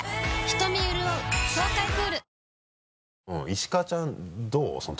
石川ちゃんどう？